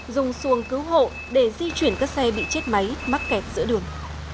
dùng xuồng cứu hộ để di chuyển các xe bị chết máy mắc kẹt giữa đường